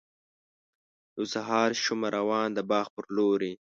یو سهار شومه روان د باغ پر لوري.